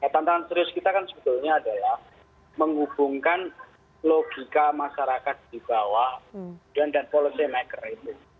tantangan serius kita kan sebetulnya adalah menghubungkan logika masyarakat di bawah dan policy maker itu